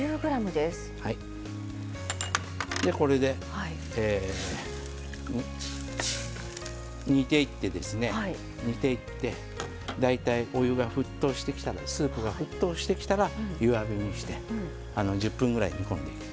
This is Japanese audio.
これで煮ていってですね大体お湯が沸騰してきたらスープが沸騰してきたら弱火にして１０分ぐらい煮込んでいきます。